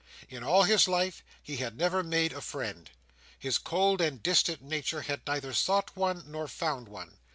In all his life, he had never made a friend. His cold and distant nature had neither sought one, nor found one.